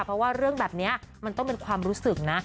เพราะว่าเรื่องแบบนี้มันต้องเป็นความรู้สึกนะ